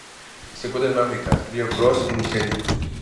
Se encuentran en África: río Cross en Nigeria.